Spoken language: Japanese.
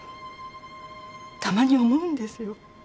たまに思うんですよ。